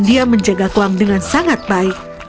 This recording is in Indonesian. dia menjaga kuang dengan sangat baik